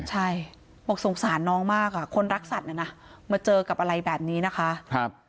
ใช่บอกสงสารน้องมากอ่ะคนรักสัตว์น่ะนะมาเจอกับอะไรแบบนี้นะคะ